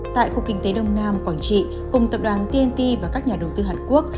tại cục kinh tế đông nam quảng trị cùng tập đoàn tnt và các nhà đầu tư hàn quốc